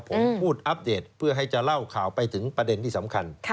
ผมพูดอัปเดตเพื่อให้จะเล่าข่าวไปถึงประเด็นที่สำคัญ